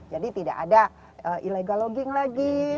jadi tidak ada ilegal logging lagi